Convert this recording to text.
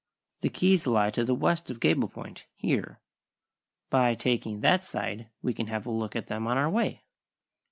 "The Keys lie to the west of Gable Point, here. By taking that side we can have a look at them on our way."